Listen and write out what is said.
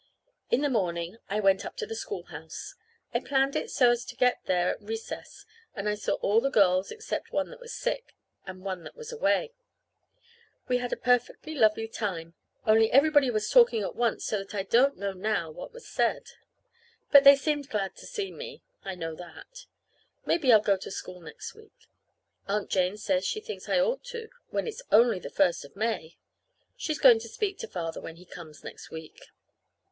In the morning I went up to the schoolhouse. I planned it so as to get there at recess, and I saw all the girls except one that was sick, and one that was away. We had a perfectly lovely time, only everybody was talking at once so that I don't know now what was said. But they seemed glad to see me. I know that. Maybe I'll go to school next week. Aunt Jane says she thinks I ought to, when it's only the first of May. She's going to speak to Father when he comes next week.